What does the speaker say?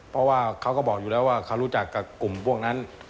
เพราะว่าเขาก็บอกอยู่แล้วว่าเขารู้จักกับกลุ่มพวกนั้น